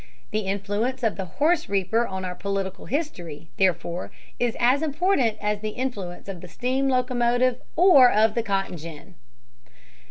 The influence of the horse reaper on our political history, therefore, is as important as the influence of the steam locomotive or of the cotton gin.